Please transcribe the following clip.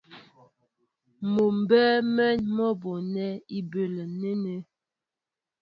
Mɔ mbɛ́ɛ́ mɛ̌n mɔ́ bonɛ ibələ́ nɛ́nɛ́.